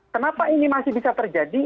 kenapa ini masih bisa terjadi